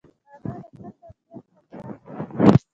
انا د ښه تربیت مکتب ده